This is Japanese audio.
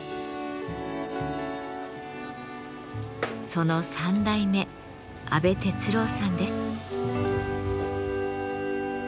その３代目安倍哲郎さんです。